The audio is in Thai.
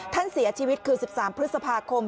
ท่านเสียชีวิตคือ๑๓พฤษภาคม